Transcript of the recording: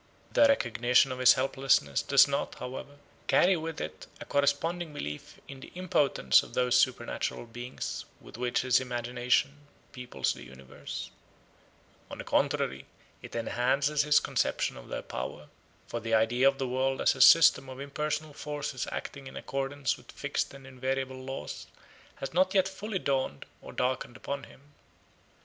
The recognition of his helplessness does not, however, carry with it a corresponding belief in the impotence of those supernatural beings with which his imagination peoples the universe. On the contrary, it enhances his conception of their power. For the idea of the world as a system of impersonal forces acting in accordance with fixed and invariable laws has not yet fully dawned or darkened upon him.